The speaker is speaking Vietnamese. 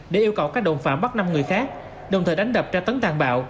để yêu cầu các đồng phạm bắt năm người khác đồng thời đánh đập tra tấn tàn bạo